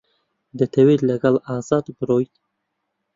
دەتەوێت لەگەڵ ئازاد بڕۆیت؟